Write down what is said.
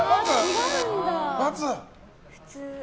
普通。